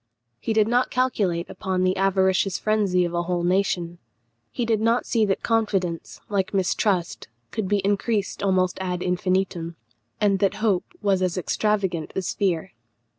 He did not calculate upon the avaricious frenzy of a whole nation; he did not see that confidence, like mistrust, could be increased almost ad infinitum, and that hope was as extravagant as fear.